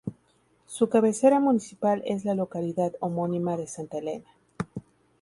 Su cabecera municipal es la localidad homónima de Santa Elena.